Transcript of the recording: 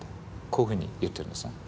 こういうふうに言ってるんですね。